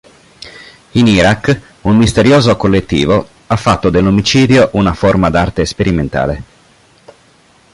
In Iraq un misterioso collettivo ha fatto dell'omicidio una forma d'arte sperimentale.